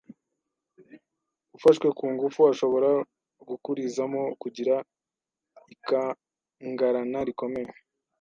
Ufashwe ku ngufu ashobora gukurizamo kugira ikangarana rikomeye